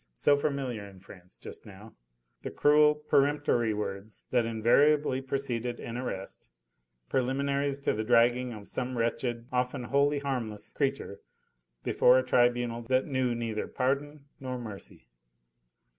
so familiar in France just now, the cruel, peremptory words that invariably preceded an arrest, preliminaries to the dragging of some wretched often wholly harmless creature before a tribunal that knew neither pardon nor mercy.